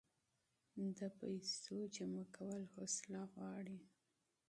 د پیسو جمع کول حوصله غواړي.